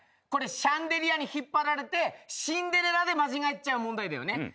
これシャンデリアに引っ張られてシンデレラで間違っちゃう問題だよね。